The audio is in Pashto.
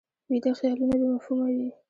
ویده خیالونه بې مفهومه وي